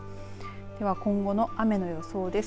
では、今後の雨の予想です。